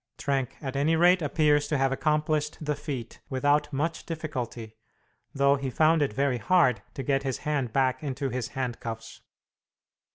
Trenck at any rate appears to have accomplished the feat without much difficulty, though he found it very hard, to get his hand back into his handcuffs.